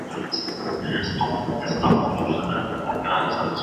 Actualmente ocupa el cargo de alcalde de Bakú.